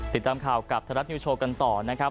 ติดตามข่าวกับไทยรัฐนิวโชว์กันต่อนะครับ